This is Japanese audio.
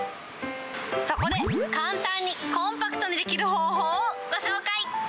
そこで簡単にコンパクトにできる方法をご紹介。